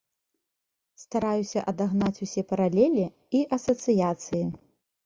Стараюся адагнаць усе паралелі і асацыяцыі.